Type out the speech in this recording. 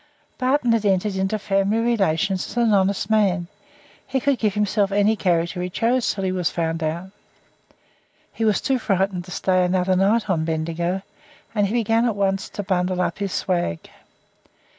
Barton had entered into family relations as an honest man; he could give himself any character he chose until he was found out. He was too frightened to stay another night on Bendigo, and he began at once to bundle up his swag.